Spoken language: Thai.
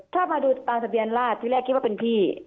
ถ้ามาดูตามทะเบียนราชที่แรกคิดว่าเป็นพี่